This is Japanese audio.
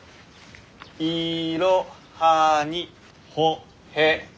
「いろはにほへと」。